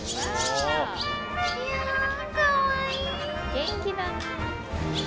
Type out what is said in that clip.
元気だね。